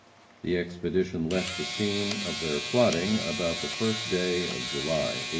The expedition left the scene of their plotting about the first day of July, 1876.